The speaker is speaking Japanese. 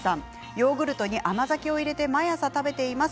ヨーグルトに甘酒を入れて毎朝食べています。